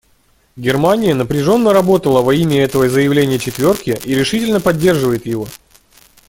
Германия напряженно работала во имя этого заявления «четверки», и решительно поддерживает его.